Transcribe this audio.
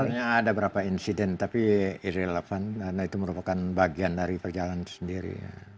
sebenarnya ada beberapa insiden tapi tidak relevan karena itu merupakan bagian dari perjalanan sendiri